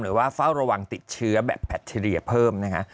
เฝ้าระวังติดเชื้อแบบแพคทีเรียเพิ่มนะฮะ